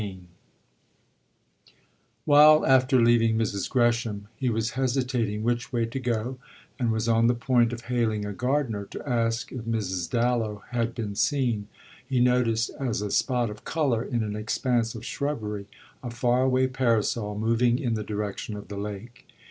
XV While, after leaving Mrs. Gresham, he was hesitating which way to go and was on the point of hailing a gardener to ask if Mrs. Dallow had been seen, he noticed, as a spot of colour in an expanse of shrubbery, a far away parasol moving in the direction of the lake.